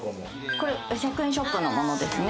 これ１００円ショップのものですね